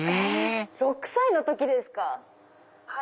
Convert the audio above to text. ６歳の時ですか